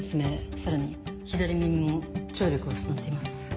さらに左耳も聴力を失っています。